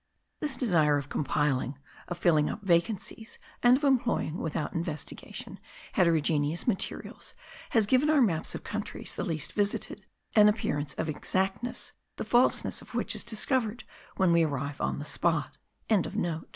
This desire of compiling, of filling up vacancies, and of employing, without investigation, heterogeneous materials, has given our maps of countries the least visited an appearance of exactness, the falsity of which is discovered when we arrive on the spot.)